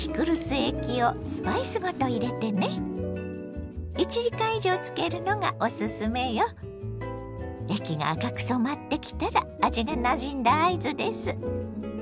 液が赤く染まってきたら味がなじんだ合図です。